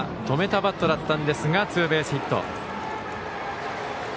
止めたバットだったんですがツーベースヒット。